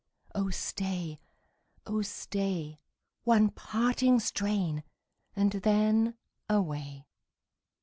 Oh staj, oh stay, One parting strain, and then away.